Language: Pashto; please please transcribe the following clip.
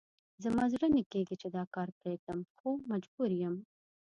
زما زړه نه کېږي چې دا کار پرېږدم، خو مجبور یم.